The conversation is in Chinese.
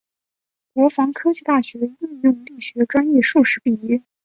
国防科技大学应用力学专业硕士毕业。